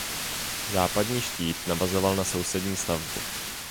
Západní štít navazoval na sousední stavbu.